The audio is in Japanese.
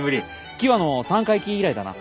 喜和の三回忌以来だな。